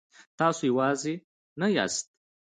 تاسو یوازې نه یاست.